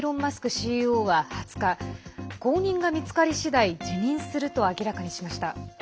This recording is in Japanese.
ＣＥＯは２０日後任が見つかり次第、辞任すると明らかにしました。